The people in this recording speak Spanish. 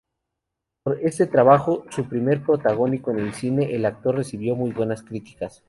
Por este trabajo, su primer protagónico en cine, el actor recibió muy buenas críticas.